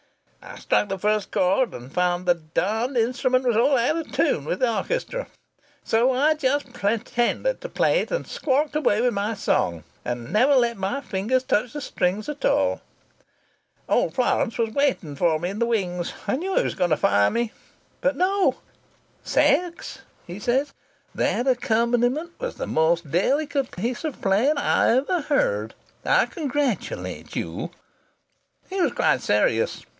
I struck the first chord, and found the darned instrument was all out of tune with the orchestra. So I just pretended to play it, and squawked away with my song, and never let my fingers touch the strings at all. Old Florance was waiting for me in the wings. I knew he was going to fire me. But no! 'Sachs,' he said, 'that accompaniment was the most delicate piece of playing I ever heard. I congratulate you.' He was quite serious.